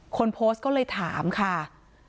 คนโพสต์ก็เลยถามค่ะ